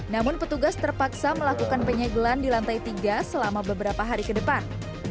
namun petugas terpaksa melakukan penyegelan di lantai tiga selama beberapa hari ke depan